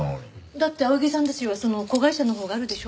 だって青柳さんたちはその子会社のほうがあるでしょ？